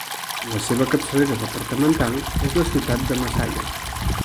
La seva capçalera departamental és la ciutat de Masaya.